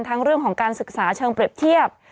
เรื่องของการศึกษาเชิงเปรียบเทียบ